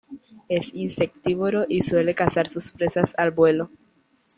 Es insectívoro y suele cazar sus presas al vuelo.